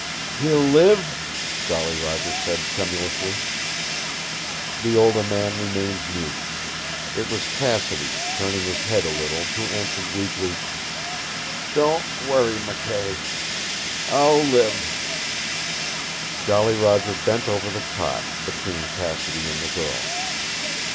"He'll live?" Jolly Roger said tremulously. The older man remained mute. It was Cassidy, turning his head a little, who answered weakly. "Don't worry, McKay. I'll live." Jolly Roger bent over the cot, between Cassidy and the girl.